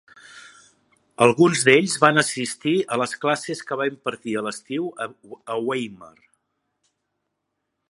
Alguns d'ells van assistir a les classes que va impartir a l'estiu a Weimar.